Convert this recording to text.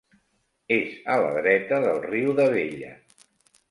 És a la dreta del Riu d'Abella.